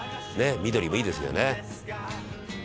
緑もいいですよね」